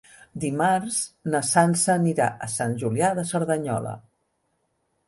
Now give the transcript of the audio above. Dimarts na Sança anirà a Sant Julià de Cerdanyola.